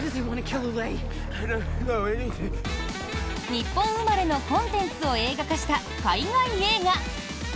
日本生まれのコンテンツを映画化した海外映画。